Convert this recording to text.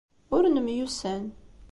Ur nemyussan.